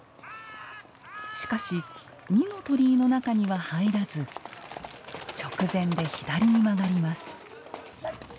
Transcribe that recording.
しかし、二の鳥居の中には入らず直前で左に曲がります。